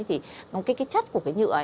thì cái chất của cái nhựa